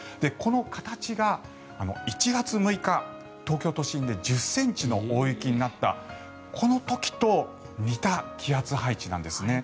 この形が１月６日東京都心で１０ｃｍの大雪になったこの時と似た気圧配置なんです。